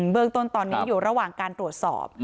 เบื้องต้นตอนนี้อยู่ระหว่างการตรวจสอบ